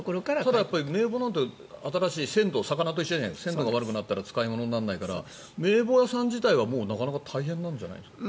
ただ、名簿なんて魚と一緒じゃないけど鮮度が悪くなったら使い物にならないから名簿屋さん自体はもうなかなか大変なんじゃないですか。